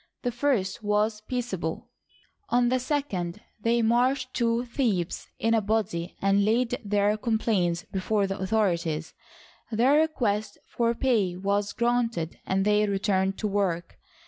The first was peaceable; on the second,, thejr marched to Thebes in a body and laid their com plaints before the authorities. Their request for pay was granted, and they returned to work.